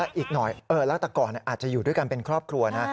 อีกหน่อยแล้วแต่ก่อนอาจจะอยู่ด้วยกันเป็นครอบครัวนะ